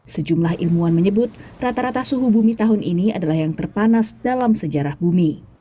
sejumlah ilmuwan menyebut rata rata suhu bumi tahun ini adalah yang terpanas dalam sejarah bumi